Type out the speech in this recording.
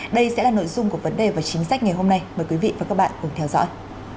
đây sẽ là nội dung của vấn đề và chính sách ngày hôm nay mời quý vị và các bạn cùng theo dõi